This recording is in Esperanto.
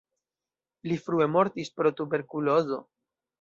Li frue mortis pro tuberkulozo.